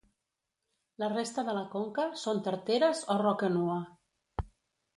La resta de la conca són tarteres o roca nua.